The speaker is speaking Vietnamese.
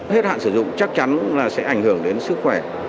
hết hạn sử dụng chắc chắn là sẽ ảnh hưởng đến sức khỏe